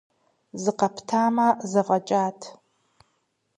Зыкъэптамэ, зэфӀэкӀат.